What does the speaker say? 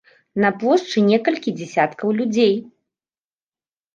На плошчы некалькі дзясяткаў людзей.